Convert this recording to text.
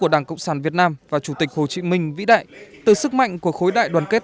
đảng cộng sản việt nam và chủ tịch hồ chí minh vĩ đại từ sức mạnh của khối đại đoàn kết